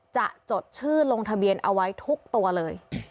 จดชื่อลงทะเบียนเอาไว้ทุกตัวเลย